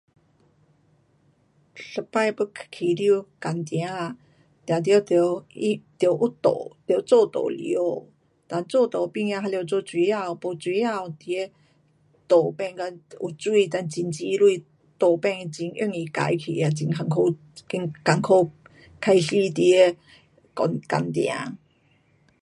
一次要开始工程啊，定得得它得有路，得有路里内，哒做路旁边还得做水沟，没水沟你的路变到有水，哒很积水，路变到很容易坏去啊，很困苦，会困苦开始你的工，工程。